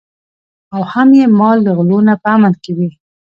او هم یې مال له غلو نه په امن کې وي.